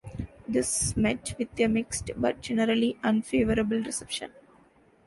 This met with a mixed, but generally unfavourable, reception.